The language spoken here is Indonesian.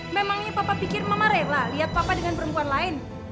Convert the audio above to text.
memangnya papa pikir mama rela lihat papa dengan perempuan lain